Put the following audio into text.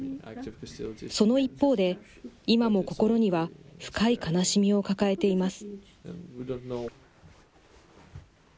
その一方で、今も心には深い悲しみを抱えています。